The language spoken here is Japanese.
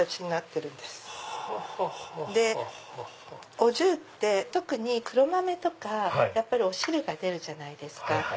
お重って特に黒豆とかお汁が出るじゃないですか。